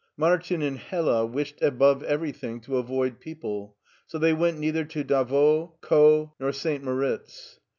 Martin and Hella wished above everything to avoid people, so they went neither to Davos, Caux, nor St Moritz.